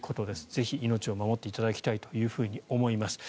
ぜひ、命を守っていただきたいと思います。